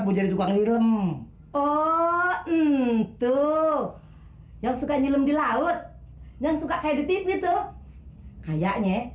bu jadi tukang nyilem oh tuh yang suka nyilem di laut yang suka kayak di tv tuh kayaknya